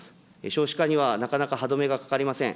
少子化には、なかなか歯止めがかかりません。